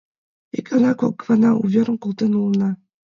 Ик гана, кок гана уверым колтен улына